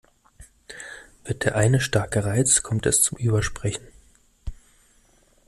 Wird der eine stark gereizt, kommt es zum Übersprechen.